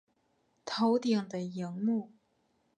头顶的萤幕